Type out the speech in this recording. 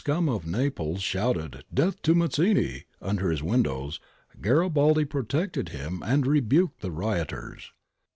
MAZZINI IN NAPLES 193 of Naples shouted ' death to Mazzini ' under his windows, Garibaldi protected him and rebuked the rioters.